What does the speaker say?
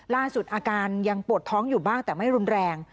อาการยังปวดท้องอยู่บ้างแต่ไม่รุนแรง